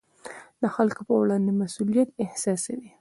د خلکو پر وړاندې مسوولیت احساسوي.